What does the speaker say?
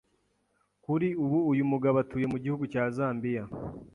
Kuri ubu, uyu mugabo atuye mu gihugu cya Zambia